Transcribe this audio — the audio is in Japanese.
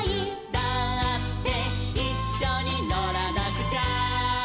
「だっていっしょにのらなくちゃ」